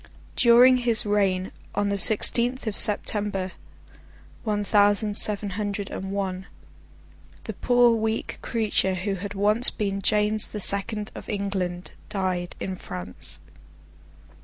During his reign, on the sixteenth of September, one thousand seven hundred and one, the poor weak creature who had once been James the Second of England, died in France.